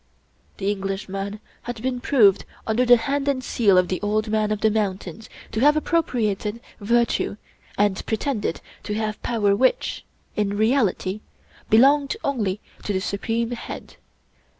The Englishman had been proved under the hand and seal of the Old Man of the Mountains to have appropriated virtue and pretended to have power which, in reality, be longed only to the supreme head.